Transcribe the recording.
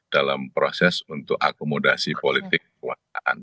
dalam proses untuk akomodasi politik kekuasaan